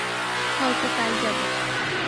হয়ত তাই যাবো।